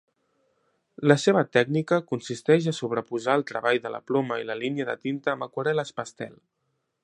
La seva tècnica consisteix a sobreposar el treball de la ploma i la línia de tinta amb aquarel·les pastel